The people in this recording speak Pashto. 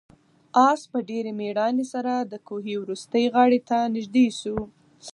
آس په ډېرې مېړانې سره د کوهي وروستۍ غاړې ته نږدې شو.